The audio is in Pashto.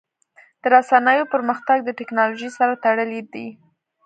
د رسنیو پرمختګ د ټکنالوژۍ سره تړلی دی.